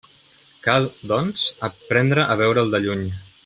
Cal, doncs, aprendre a veure'l de lluny.